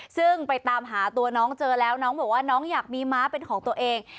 ซึ่งไปตามหาตัวน้องเจอแล้วน้องบอกว่าน้องอยากมีม้าเป็นของตัวเอง